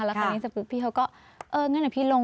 แล้วราคานี้สักครู่พี่เขาก็เอออย่างนั้นเดี๋ยวพี่ลง